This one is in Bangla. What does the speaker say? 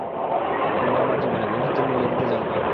তোমরা আমার জীবনে, বন্ধুত্বের মূল্য জানো না।